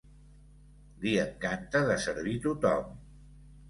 Li encanta de servir tothom.